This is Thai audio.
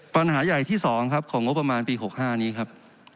ปัญหาใหญ่ที่๒ครับของงบประมาณปี๖๕นี้ครับ